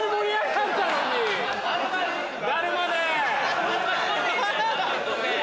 だるまで。